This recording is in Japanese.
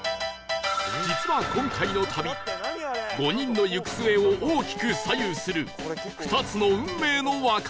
実は今回の旅５人の行く末を大きく左右する２つの運命の分かれ道が